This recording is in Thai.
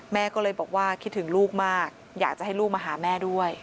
แม่ก็เลยบอกว่าคิดถึงลูกมากอยากจะให้ลูกมาหาแม่ด้วย